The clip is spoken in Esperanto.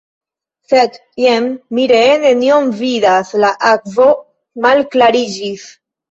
Sed, jen, mi ree nenion vidas, la akvo malklariĝis!